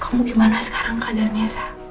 kamu gimana sekarang keadaannya